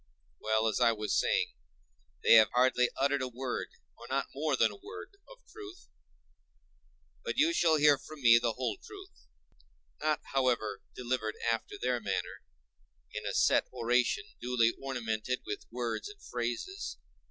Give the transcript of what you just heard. Well, as I was saying, they have hardly uttered a word, or not more than a word, of truth; but you shall hear from me the whole truth: not, however, delivered after their manner, in a set oration duly ornamented with words and phrases.